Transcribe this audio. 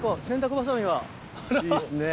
いいですね。